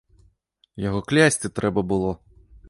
Яго клясці трэба было!